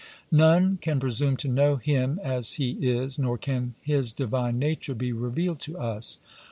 ^ None can presume to know Him as He is, nor can His divine nature be revealed to us.